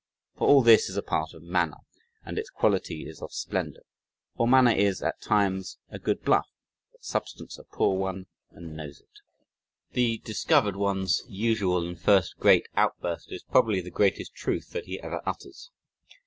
For all this is a part of manner and its quality is of splendor for manner is at times a good bluff but substance a poor one and knows it. The discovered one's usual and first great outburst is probably the greatest truth that he ever utters.